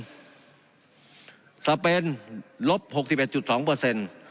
สเปนลบหกสิบเอ็ดจุดสองเปอร์เซ็นต์